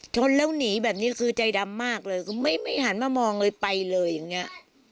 ชนแล้วหนีแบบนี้คือใจดำมากเลยก็ไม่หันมามองเลยไปเลยอย่างนี้